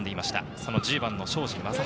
その１０番の庄司壮晴。